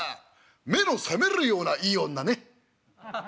目の覚めるようないい女ね」。